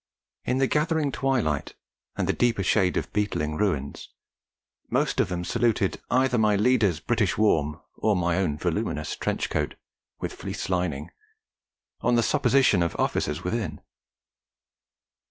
In the gathering twilight, and the deeper shade of beetling ruins, most of them saluted either my leader's British warm, or my own voluminous trench coat (with fleece lining), on the supposition of officers within.